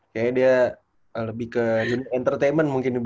kayaknya dia lebih ke entertainment mungkin ibu